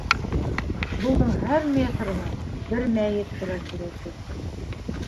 Юлдың һәр метрына бер мәйет тура килә, ти.